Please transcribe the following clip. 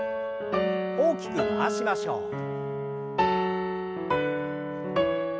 大きく回しましょう。